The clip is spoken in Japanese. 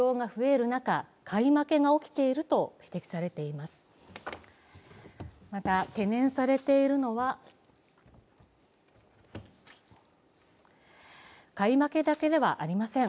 また、懸念されているのは買い負けだけではありません。